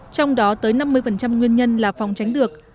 trong đó tới năm mươi nguyên nhân là phòng tránh được